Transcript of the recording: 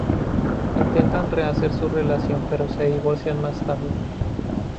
Intentan rehacer su relación pero se divorcian más tarde.